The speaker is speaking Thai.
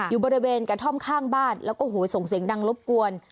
อยู่บริเวณกระท่อมข้างบ้านแล้วก็โอ้โหส่งเสียงดังรบกวน